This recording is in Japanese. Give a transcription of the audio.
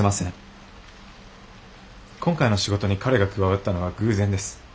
今回の仕事に彼が加わったのは偶然です。